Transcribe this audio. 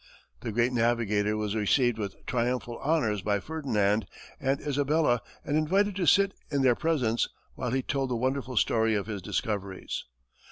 The great navigator was received with triumphal honors by Ferdinand and Isabella, and invited to sit in their presence while he told the wonderful story of his discoveries.